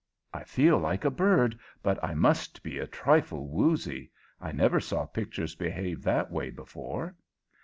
"I feel like a bird, but I must be a trifle woozy. I never saw pictures behave that way before."